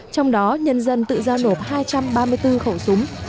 trong đó nhân dân tự giao nộp hai trăm ba mươi bốn khẩu súng